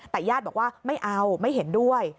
แต่ญาติบอกว่าไม่เอาไม่เห็นด้วย